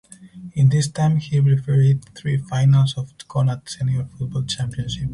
In this time he refereed three finals of the Connacht Senior Football Championship.